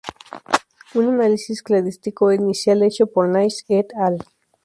Un análisis cladístico inicial hecho por Naish "et al.